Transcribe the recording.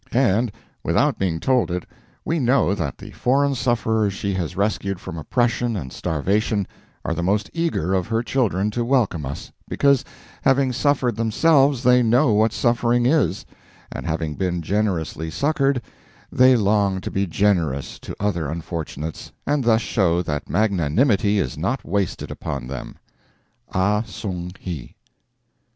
And, without being told it, we know that the foreign sufferers she has rescued from oppression and starvation are the most eager of her children to welcome us, because, having suffered themselves, they know what suffering is, and having been generously succored, they long to be generous to other unfortunates and thus show that magnanimity is not wasted upon them. AH SONG HI.